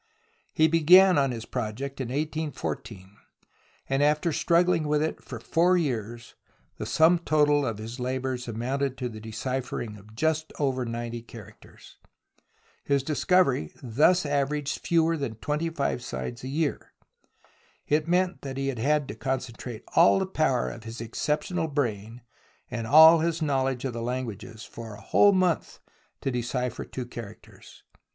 He began on his project in 1814 and, after struggHng with it for four years, the sum total of his labours amounted to the deciphering of just over ninety characters. His discovery thus averaged fewer than twenty five signs a year. It meant that he had to concentrate all the power of his exceptional brain, and aU his knowledge of languages, for a whole month to decipher two characters.